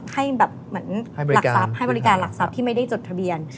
ให้แบบเหมือนหลักทรัพย์ให้บริการหลักทรัพย์ที่ไม่ได้จดทะเบียน